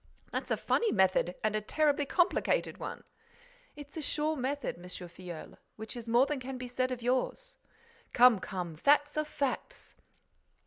"That's a funny method and a terribly complicated one!" "It's a sure method, M. Filleul, which is more than can be said of yours." "Come, come! Facts are facts."